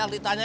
ini apaan sih